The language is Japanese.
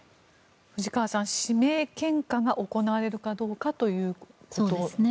藤川さん指名献花が行われるかどうかということなんですね。